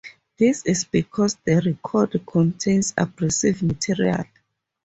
This is because the record contains abrasive material.